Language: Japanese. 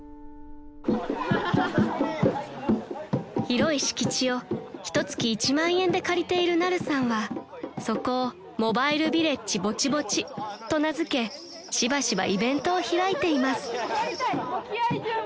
［広い敷地をひと月１万円で借りているナルさんはそこをモバイルヴィレッジぼちぼちと名付けしばしばイベントを開いています］